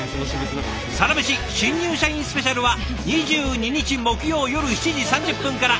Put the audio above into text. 「サラメシ新入社員スペシャル」は２２日木曜夜７時３０分から！